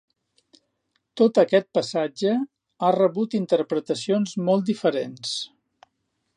Tot aquest passatge ha rebut interpretacions molt diferents.